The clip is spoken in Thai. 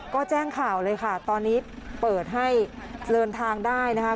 ก็แจ้งข่าวเลยค่ะตอนนี้เปิดให้เดินทางได้นะคะ